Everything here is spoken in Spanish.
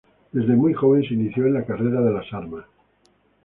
Desde muy joven se inició en la carrera de las armas.